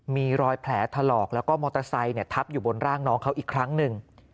มีรอยแผลถลอกแล้วก็มอเตอร์ไซค์ทับอยู่บนร่างน้องเขาอีกครั้งหนึ่ง